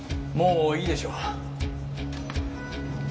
もういいでしょ。